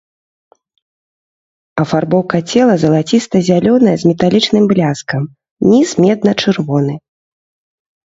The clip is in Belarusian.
Афарбоўка цела залаціста-зялёная з металічным бляскам, ніз медна-чырвоны.